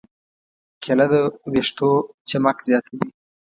کېله د ویښتو چمک زیاتوي.